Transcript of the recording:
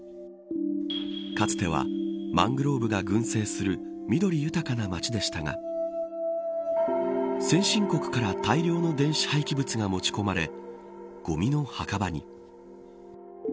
かつてはマングローブが群生する緑豊かな街でしたが先進国から大量の電子廃棄物が持ち込まれごみの墓場に。